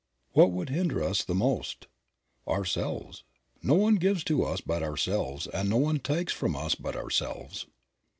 What would hinder us the most? Ourselves; no one gives to us but ourselves and no one takes from us but ourselves.